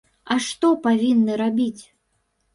А што павінны рабіць?